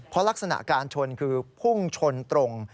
เพราะลักษณะการชนคือพุ่งชนตรง